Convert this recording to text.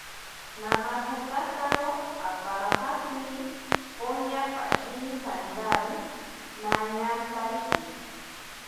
Namatsatakaro aparojatsini, poña pashine santsari nañantariki.